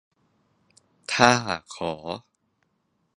ถ้าขอ